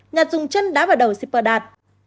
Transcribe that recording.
nhạt dùng chân đá vào đầu shipper đạt